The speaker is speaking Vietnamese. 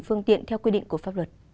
phương tiện theo quy định của pháp luật